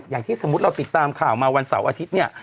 อย่างที่สมมุติเราติดตามข่าวมาวันเสาร์อาทิตย์เนี่ย